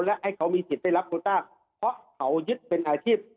และให้เขามีสิทธิ์ได้รับโคต้าเพราะเขายึดเป็นอาชีพ